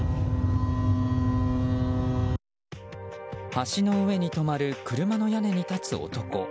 橋の上に止まる車の屋根に立つ男。